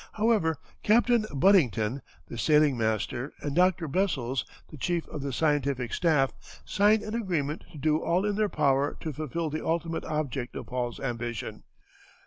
However, Captain Buddington, the sailing master, and Dr. Bessels, the chief of the scientific staff, signed an agreement to do all in their power to fulfil the ultimate object of Hall's ambition.